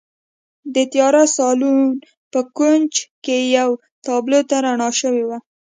د تیاره سالون په کونج کې یوې تابلو ته رڼا شوې وه